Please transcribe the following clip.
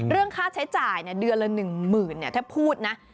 เรื่องค่าใช้จ่ายเนี่ยเดือนละหนึ่งหมื่นเนี่ยถ้าพูดนะ